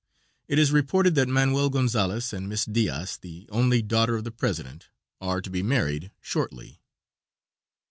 It is reported that Manuel Gonzales and Miss Diaz, the only daughter of the president, are to be married shortly.